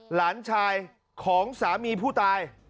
หลานชายของสามีผู้ตาย